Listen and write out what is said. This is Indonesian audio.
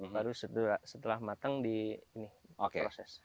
baru setelah matang di proses